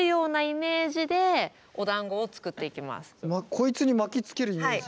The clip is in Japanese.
こいつに巻きつけるイメージ？